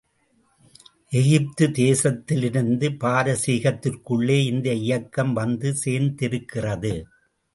எகிப்து தேசத்திலிருந்து பாரசீகத்திற்குள்ளே இந்த இயக்கம் வந்து சேர்ந்திருக்கிறது.